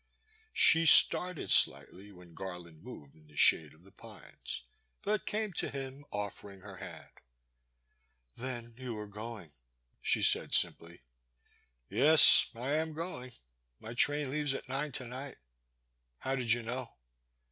She started slightly when Gar land moved in the shade of the pines, but came to him, offering her hand. Then you are going, she said simply. Yes, — I am going. My train leaves at nine to night. How did you know